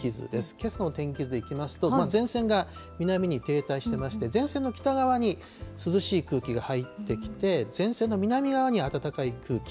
けさの天気図でいきますと、前線が南に停滞してまして、前線の北側に涼しい空気が入ってきて、前線の南側に暖かい空気。